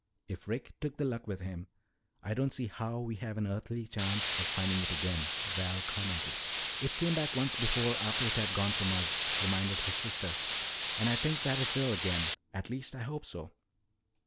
"If Rick took the Luck with him, I don't see how we have an earthly chance of finding it again," Val commented. "It came back once before after it had gone from us," reminded his sister. "And I think that it will again. At least I'll hope so."